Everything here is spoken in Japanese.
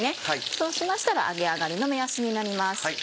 そうしましたら揚げ上がりの目安になります。